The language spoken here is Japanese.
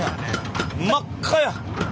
真っ赤や。